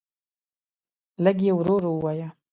لږ یی ورو ورو وایه